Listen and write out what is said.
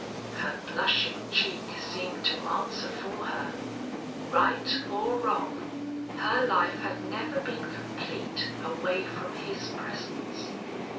Her blushing cheek seemed to answer for her. Right or wrong, her life had never been complete away from his presence.